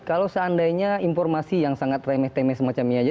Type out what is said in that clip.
kalau seandainya informasi yang sangat remeh temeh semacamnya aja